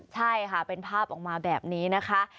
ใช่ค่ะเป็นภาพออกมาแบบนี้นะคะ